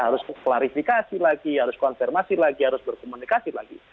harus klarifikasi lagi harus konfirmasi lagi harus berkomunikasi lagi